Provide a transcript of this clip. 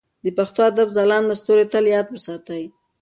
د پښتو ادب ځلانده ستوري تل یاد وساتئ.